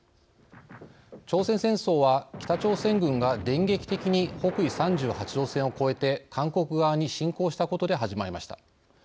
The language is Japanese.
朝鮮戦争は北朝鮮軍が電撃的に北緯３８度線を越えて韓国側に侵攻したことで始まりました。